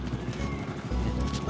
tuh makasih ya